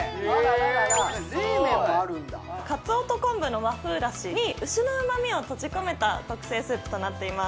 おいしそう鰹と昆布の和風だしに牛の旨みを閉じ込めた特製スープとなっています